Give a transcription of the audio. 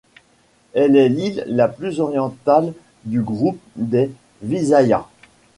Elle est l'île la plus orientale du groupe des Visayas.